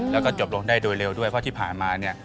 แล้วก็จบลงได้โดยเร็วด้วยเพราะที่ผ่านมาเนี่ย